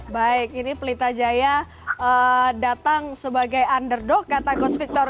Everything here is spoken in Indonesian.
baik ini pelita jaya datang sebagai underdog kata coach victor